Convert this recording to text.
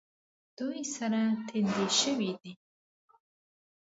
دوی سره ټنډه شوي دي.